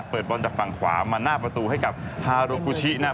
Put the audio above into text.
เปิดบอลจากฝั่งขวามาหน้าประตูให้กับฮาโรกูชินะครับ